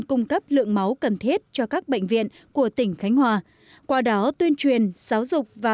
cung cấp lượng máu cần thiết cho các bệnh viện của tỉnh khánh hòa qua đó tuyên truyền giáo dục và